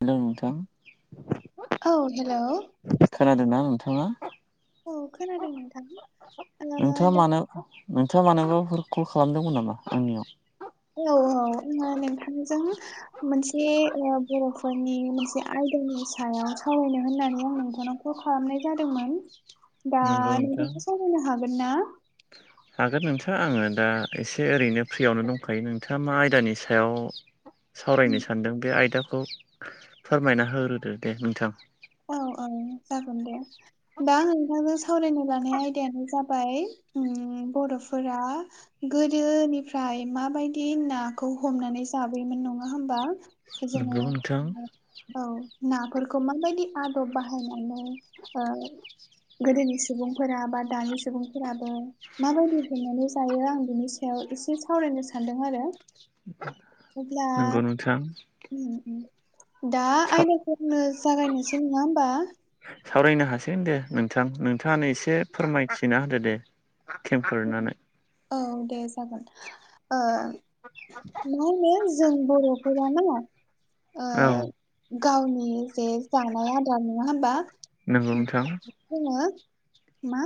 Hello नोंथां औ hello खोनादोंना नोंथाङा औ खोनादों नोंथां आङो नोंथाङा दा मानो नोंथाङा मानोबाफोर कल खालामदोंमोन नामा आंनियाव औ औ आङो नोंथांजों मोनसे बर'फोरनि मोनसे आयदानि सायाव सावरायनो होननानै आं नोंथांनाव खल खालामनाय जादोंमोन दा नंगौ नोंथां नोंथांखौ सावरायनो हागोन ना हागोन नोंथाङा आङो दा एसे ओरैनो फ्रियावनो दंखायो नोंथाङा मा आयदानि सायाव [inaudible] सावरायनो सानदों बे आयदाखौ फोरमायना होग्रोदो दे नोंथां औ औ जागोन दे दा नोंथांजों सावरायनो लानाय आयदायानो जाबाय उम बर'फोरा गोदोनिफ्राय माबायदि नाखौ हमनानै जाबोयोमोन नङा होमबा जोङो नंगौ नोंथां औ नाफोरखौ माबायदि आदब बाहायनानै ओ गोदोनि सुबुंफोरा बा दानि सुबुंफोराबो माबायदि हमनानै जायो आं बिनि सायाव एसे सावरायनो सानदों आरो अब्ला नंगौ नोंथां दा आयदाफोरनो जागायनोसै नङा होमबा सावरायनो हासिगोन दे नोंथां नोंथाङानो एसे फोरमायथिना होदो दे खेमफोरनानै औ दे जागोन ओ मा होनो जों बर'फोरानो ओ औ गावनि जे जानाय आदार नङा होमबा नोंगौ नोंथां जोङो मा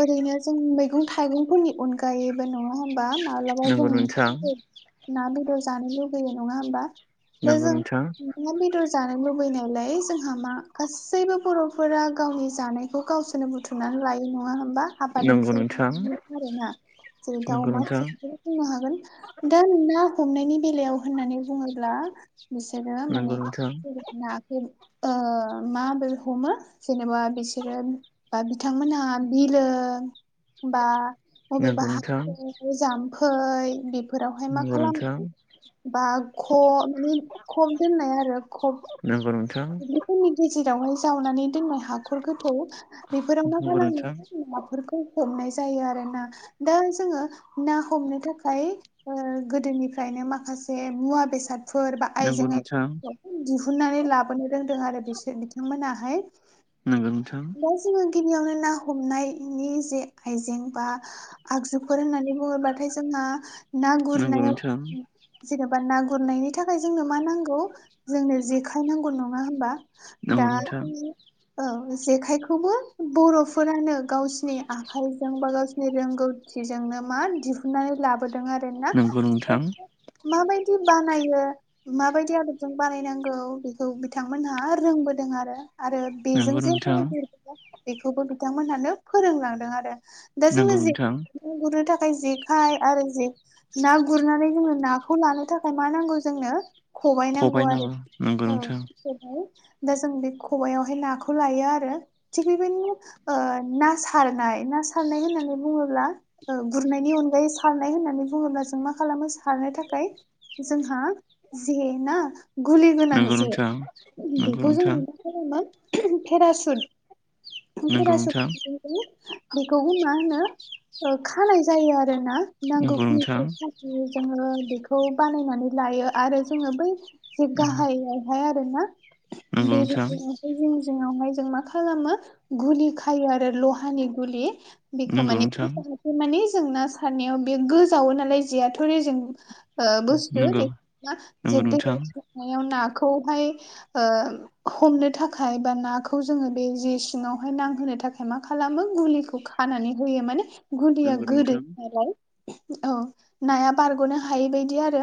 ओरैनो जों मैगं थाइगंफोरनि अनगायैबो नङा होनबा माब्लाबा नंगौ जों नोंथां ना बेदर जानो लुगैयो नङा होमबा दा नंगौ जों नोंथां अमा बेदर जानो लुबैनायलाय जोंहा मा गासैबो बर'फोरा गावनि जानायखौ गावसोरनो बुथुम नानै लायो नङा होमबा नंगौ आबादनिफ्राय नोंथां [unintelligible] आरोना जेरै दा नंगौ अमा नोंथां फिसाखौ बुंनो हागोन दा ना हमनायनि बेलायाव होननानै बुङोब्ला बिसोरो नंगौ माने नोंथां नाखौ ओ माबोरै हमो जेनेबा बिसोरो बा बिथांमोनहा बिलो बा बबेबा नंगौ नोंथां हाखर जाम्फै बे फोरावहाय मा नंगौ नोंथां खालामो बा खब माने खब दोननाय आरो खब नंगौ नोंथां बेफोरनि गेजेरावहाय जावनानै दोननाय हाखर गोथौ बेफोराव मा नंगौ खालामो नोंथां नाफोरखौ हमनाय जायो आरो ना दा जोङो ना हमनो थाखाय गोदोनिफ्रायनो माखासे मुवा बेसाद फोर बा आइजें नंगौ नोंथां आइला दिहुननानै लाबो नो रोंदों आरो बिसोर बिथांमोनाहाय नोंगौ नोंथां दा जोङो गिबियावनो ना हमनायनि जे आइजें बा आगजुफोर होननानै बुङोबाथाय जोंहा ना गुरनायाव जेनेबा ना गुरनायनि थाखाय जोंनो मा नांगौ जोंनो जेखाइ नांगौ नङा होमबा दा नंगौ नोंथां जोंनि औ जेखायखौबो बर'फोरानो गावसिनि आखाइजों बा गाव रोंगौथिजोंनो मा दिहुननानै लाबोदों आरो ना नंगौ नोंथां नंगौ नोंथां माबायदि बानायो माबायदि आदबजों बानायनांगौ बेखौ बिथांमोनहा रोंबोदों आरो आरो बेजों नंगौ जे नोंथां बेखौबो बिथांमोनानो फोरोंलांदों आरो दा जोंनो नंगौ जे नोंथां नाखौ गुरनो थाखाय जेखाय आरो जे ना गुरनानै जोङो नाखौ लानो थाखाय ओमफ्राय मा नांगौ जोंनो खबाइ खबाय नांगौ आरो नंगौ औ नोंथां खबाय दा जों बे खबायावहाय नाखौ लायो आरो थिग बेबायदिनो ओ ना सारनाय ना सारनाय होननानै बुङोब्ला गुरनायनि अनगायै सारनाय होननानै बुङोब्ला जों मा खालामो सारनो थाखाय जोंहा जे ना गुलि गोनां ओम जे नोंथां नंगौ बेखौ जों नोंथां मा खालामो पेरासुट नंगौ पेरासुट नोंथां बेखौबो मा होनो खानाय जायो आरोना नांगौ नंगौ नोंथां खिनिखौ खानाय जोङो बेखौ बानायनानै लायो आरो जोङो बै जे नंगौ गाहायाव [unintelligible] आरोना बिदिनो नोंथां जोङो बै जिं जिङावहाय जों मा खालामो गुलि खायो आरो लहानि गुलि बेखौ नंगौ माने नोंथां बेथ' माने जों ना सारनायाव बे गोजावो नालाय जेयाथ' रेजें बुस्थु नंगौ बेखायनो जे नंगौ नोंथां दैयाव सोमनायाव नाखौहाय हमनो थाखाय बा नाखौ जोङो बे जे सिङावहाय नांहोनो थाखाय मा खालामो गुलिखौ खानानै होयो माने गुलिया नंगौ गोदोयो नोंथां नालाय औ नाया बारग'नो हायै बायदि आरो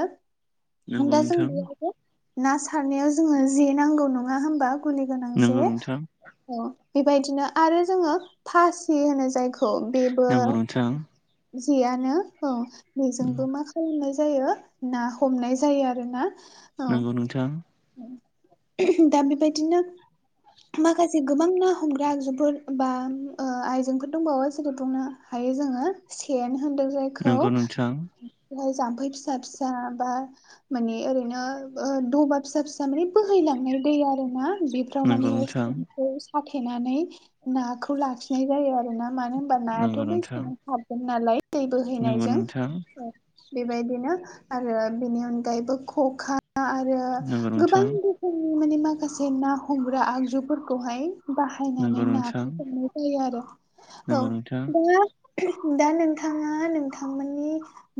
नंगौ दा जों नोंथां बेयावबो ना सारनायाव जोङो जे नांगौ नङा होमबा गुलि गोनां जे नंगौ नोंथां औ बेबायदिनो आरो जोङो फासि होनो जायखौ औ बेबो नंगौ नोंथां जेयानो औ बेजोंबो मा खालाम खालामनाय जायो ना हमनाय जायो आरोना औ नोंगौ नोंथां दा बिबायदिनो माखासे गोबां ना हमग्रा आगजुफोर बा ओ आइजेंफोर दंबावो जेरै बुंनो हायो जोङो सेनो होनदों जायखौ नंगौ नोंथां बेहाय जामफै फिसा फिसा बा मानि ओरैनो दबा फिसा फिसा थारमाने बोहैलांनाय दै आरोना बेफ्राव नंगौ माने नोंथां खौ साथेनानै नाखौ लाखिनाय जायो आरोना। मानो होनबा नायाथ' नंगौ नोंथां बैसाव हाबगोन नालाय दै नंगौ बोहैनायजों। नोंथां बेबायदिनो आरो बेनि अनगायैबो खखा आरो नंगौ गो रजबां नोंथां जोंनि माने माखासे ना हमग्रा आगजुफोरखौहाय बाहायनानै नंगौ नोंथां नाखौ हमनाय जायो आरो औ नंगौ नोंथां दा। दा नोंथाङा नोंथांमोननि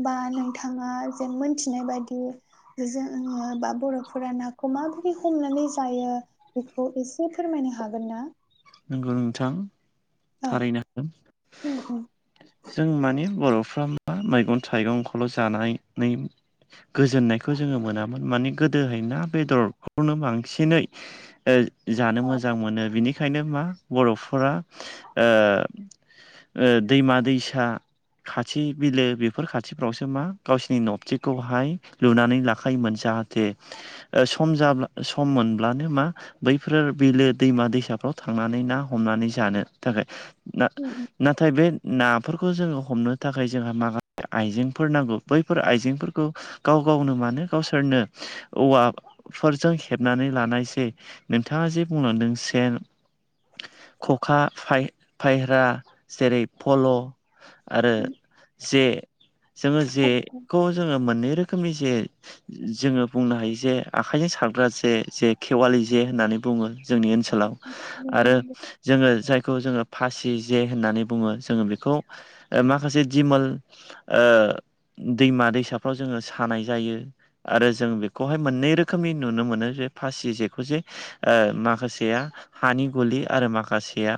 बा नोंथाङा जे मोनथिनाय बायदि जोंनि बा बर' फोरा नाखौ माबायदि हमनानै जायो बेखौ एसे फोरमायनो हागोन ना। नोंगौ नोंथां औ थारैनो हागोन। जों मानि बर'फ्रा मा मैगं थाइगंखौल' जानानै गोजोननायखौ जोङो मोनामोन माने गोदोहाय ना बेदरखौनो बांसिनै ओ जानो मोजां मोनो बिनि बेखायनो मा बर'फोरा ओ ओ दैमा दैसा खाथि बिलो बेफोर खाथिफ्रावसो मा गावसिनि नबथिखौहाय लुनानै लाखायोमोन जाह ओ सम जाब्ला सम मोनब्लानो मा बैफोर बिलो दैमा दैसा फ्राव थांनानै ना हमनानै जानो थाखाय ना। नाथाय बे नाफोरखौ जोङो हमनो थाखाय जोंहा मागा आइजेंफोर नांगौ बैफोर आइजेंफोरखौ गाव गावनो मानो गावसोरनो औवाफोरजों हेबनानै लानायसै नोंथाङा जे बुंलांदों सेन खखा फायह्रा जेरै पल' आरो जे जोङो जेखौ जोङो मोननै रोखोमनि जे जोङो बुंनो हायो जे आखायजों सारग्रा जे जे खेवालि जे होननानै बुङो जोंनि ओनसोलाव आरो जोङो जायखौ जोङो फासि जे होननानै बुङो जोङो बेखौ माखासे दिमोल दैमा दैसाफ्राव जोङो सानाय जायो। आरो जों बेखौहाय मोननै रोखोमनि नुनो मोनो जे फासि जेखौ जे ओ माखासेया हानि गलि आरो माखासेया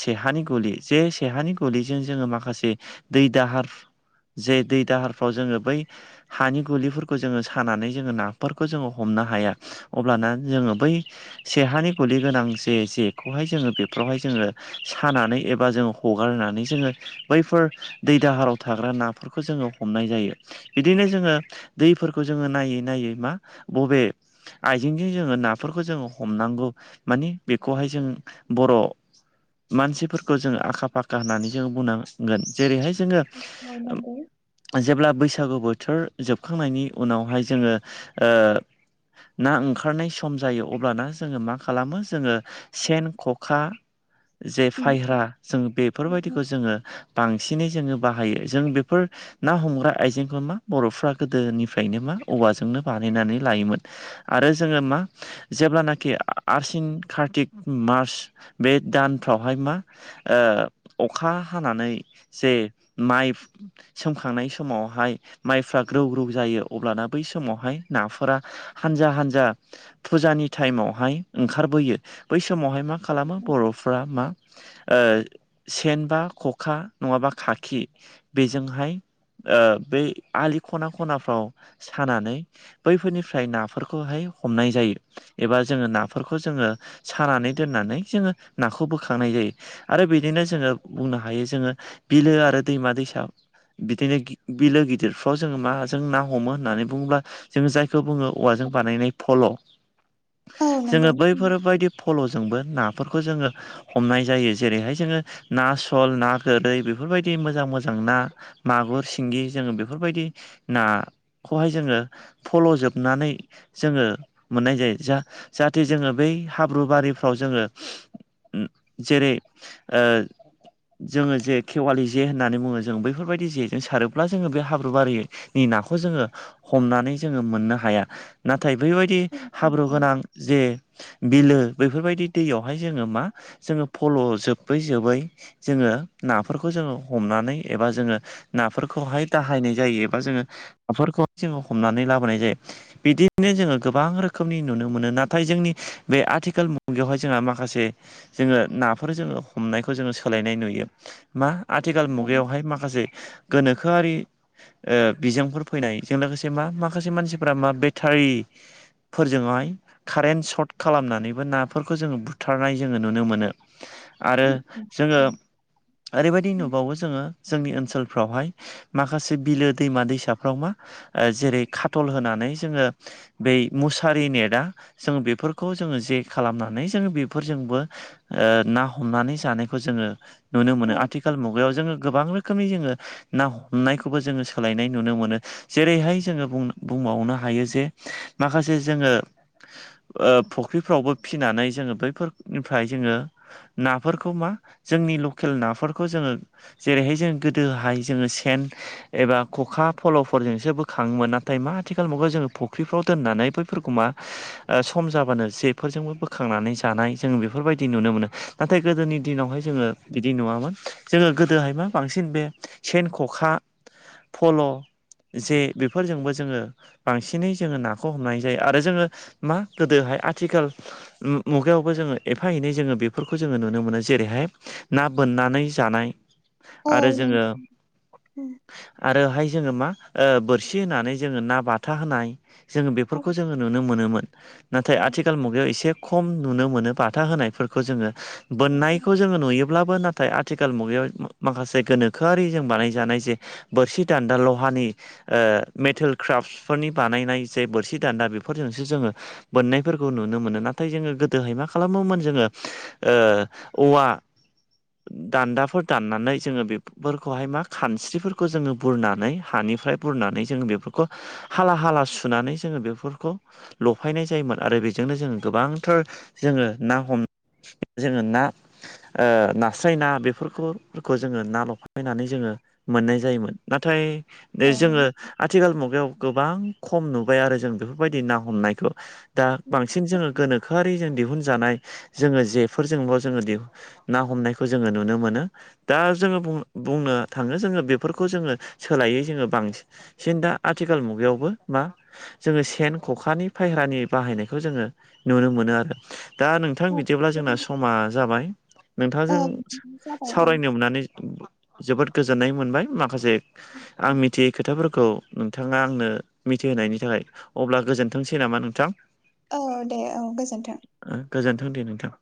सेहानि गुलि जे सेहानि गुलिजों जोङो माखासे दै दाहार जे दै दाहारफ्राव जोङो बै हानि गुलिफोरखौ जोङो सानानै जोङो नाफोरखौ जोङो हमनो हाया अब्लाना जोङो बै सेहानि गुलि गोनां जे जेखौहाय जोङो बेफ्रावहाय जोङो सानानै एबा जोङो हगारनानै जोङो बैफोर दै दाहाराव थाग्रा नाफोरखौ जोङो हमनाय जायो। बिदिनो जोङो दैफोरखौ जोङो नायै नायै मा बबे आइजेंजों जोङो नाफोरखौ जोङो हमनांगौ माने बेखौहाय जों बर' मानसिफोरखौ जों आखा फाखा होननानै जों बुंना जेरैहाय जोङो औ नंगौ। जेब्ला बैसागु बोथोर जोबखांनायनि उनावहाय जोङो ओ ना ओंखारनाय सम जायो अब्लाना जोङो मा खालामो जोङो सेन ख'खा जे फायह्रा जों बेफोरबायदिखौ जोङो बांसिनै जोङो बाहायो जों बेफोर ना हमग्रा आइजेंखौ मा बर'फ्रा गोदोनिफ्रायनो मा औवाजोंनो बानायनानै लायोमोन। आरो जोङो मा जेब्लानाखि आसिन कार्तिक मार्च बे दानफ्रावहाय मा ओ अखा हानानै जे माइ सोमखांनाय समावहाय माइफ्रा ग्रौ ग्रौ जायो अब्लाना बै समावहाय नाफोरा हानजा हानजा फुजानि टाइमावहाय ओंखारबोयो बै समावहाय मा खालामो बर'फ्रा मा ओ सेनबा ख'खा नङाबा खाखि बेजोंहाय ओ बे आलि खना खनाफ्राव सानानै बैफोरनिफ्राय नाफोरखौहाय हमनाय जायो एबा जोङो नाफोरखौ जोङो सानानै दोननानै जोङो नाखौ बोखांनाय जायो आरो बिदिनो जोङो बुंनो हायो जोङो बिलो आरो दैमा दैसा बिदिनो बिलो गिदिरफ्राव जोङो माजों ना हमो होननानै बुङोब्ला जों जायखौ बुङो औवाजों बानायनाय फल' औ जोङो नंगौ। बैफोरबायदि फल'जोंबो नाफोरखौ जोङो हमनाय जायो जेरैहाय जोङो ना सल ना गोरै बेफोरबायदि मोजां मोजां ना मागुर सिंगि जोङो बेफोरबायदि ना खौहाय जोङो फल'जोबनानै जोङो मोननाय जायो जा जाहाथे जोङो बै हाब्रु बारिफ्राव जोङो जेरै ओ जोङो जे खेवालि जे होननानै बुङो जों बैफोरबायदि जेजों सारोब्ला जोङो बे हाब्रुआरि नि नाखौ जोङो हमनानै जोङो मोननो हाया नाथाय बैबायदि हाब्रु गोनां जे बिलो बेफोरबायदि दैयावहाय जोङो मा जोङो फल' जोबै जोबै जोङो नाफोरखौ जोङो हमनानै एबा जोङो नाफोरखौहाय दाहायनाय जायो बा जोङो नाफोरखौहाय जोङो हमनानै लाबोनाय जायो। बिदिनो जोङो गोबां रोखोमनि नुनो मोनो नाथाय जोंनि बे आथिखाल मुगायावहाय जोंहा माखासे जोङो नाफोर जोङो हमनायखौ जोङो सोलायनाय नुयो मा आथिखाल मुगायावहाय माखासे गोनोखोआरि ओ बिजोंफोर फैनायजों लोगोसे मा माखासे मानसिफोरा मा बेटारि फोरजोंहाय कारेन्ट सर्ट खालामनानैबो नाफोरखौ जोङो बुथारनाय जोङो नुनो मोनो आरो जोङो ओरैबायदि नुबावो जोङो जोंनि ओनसोलफ्रावहाय माखासे बिलो दैमा-दैसाफ्राव मा ओ जेरै खाथल होनानै जोङो बै मुसारि नेटा जों बेफोर खौ जोङो जे खालामनानै जोङो बेफोरजोंबो ओ ना हमनानै जानायखौ जोङो नुनो मोनो आथिखाल मुगायाव जोङो गोबां रोखोमनि जोङो ना हमनायखौबो जोङो सोलायनाय नुनो मोनो जेरैहाय जोङो बुंबावनो हायो जे माखासे जोङो ओ फुख्रिफ्रावबो फिनानै जोङो बैफोरनिफ्राय जोङो नाफोरखौ मा जोंनि लकेल नाफोरखौ जोङो जेरैहाय जों गोदोहाय जोङो सेन एबा खखा फल'फोरजोंसो बोखाङोमोन नाथाय मा आथिखाल मुगायाव जोङो फुख्रिफ्राव दोननानै बैफोरखौ मा ओ खम जाबानो जेफोरजोंबो बोखांनानै जानाय जों बेफोरबायदि नुनो मोनो नाथाय गोदोनि दिनावहाय जोङो बिदि नङामोन जोङो गोदोहाय मा बांसिन बे सेन ख'खा फल' जे बेफोरजोंबो जोङो बांसिनै जोङो नाखौ हमनाय जायो आरो जोङो मा गोदोहाय आथिखाल मुगायावबो जोङो एफा एनै जोङो बेफोरखौ जोङो नुनो मोनो जेरैहाय ना बोननानै जानाय आरो जोङो आरोहाय जोङो मा ओ बोरसि होनानै जोङो ना बाथा होनाय जोङो बेफोरखौ जोङो नुनो मोनोमोन नाथाय आथि खाल मुगायाव एसे खम नुनो मोनो बाथा होनायफोरखौ जोङो बोननायखौ औ जों नुयो अब्लाबो नाथाय आथिखाल मुगायाव माखासे गोनोखोआरि जों बानायजानाय जे बोरसि दान्दा लहानि ओ मेटेल क्राफ्सफोरनि बानायनाय जे बोरसि दान्दा बेफोरजोंसो जोङो बोननायफोरखौ नुनो मोनो नाथाय जोङो गोदोहाय मा खालामोमोन जोङो ओ औवा दान्दाफोर दाननानै जोङो बे फोरखौहाय मा खानस्रिफोरखौ जोङो बुरनानै हानिफ्राय बुरनानै जोङो बेफोरखौ हाला हाला सुनानै जोङो बेफोरखौ लफायनाय जायोमोन आरो बेजोंनो जोङो गोबांथार जोङो ना हम जोङो ना ओ नास्राय ना बेफोरखौफोरखौ जोङो ना लफायनानै जोङो मोननाय जायोमोन नाथाय दै जोङो आथिखाल मुगायाव गोबां खम नुबाय आरो जों बेफोरबायदि ना हमनायखौ दा नंगौ। बांसिन जोङो गोनोखोआरि जों दिहुनजानाय जोङो जेफोरजोंल' जोङो दि ना हमनायखौ जोङो नुनो मोनो दा जोङो बु बुंनो थाङो जोङो बेफोरखौ जोङो सोलायै जोङो बांसिन जेन दा आथिखाल मुगायावबो मा जोङो सेन खखानि फायहारनि बाहायनायखौ जोङो नुनो मोनो आरो दा नोंथां बिदिब्ला जोंना समा जाबाय औ नोंथांजों जाबाय सावरायनो मोननानै जोबोद गोजोननाय मोनबाय माखासे औ आं मिथियै खोथाफोरखौ नोंथाङा आंनो मिथिहोनायनि थाखाय अब्ला गोजोनथोंसै नामा नोंथां औ दे औ गोजोन्थों गोजोन्थों दे नोंथां